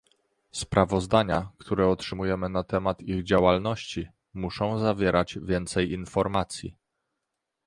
Sprawozdania, które otrzymujemy na temat ich działalności, muszą zawierać więcej informacji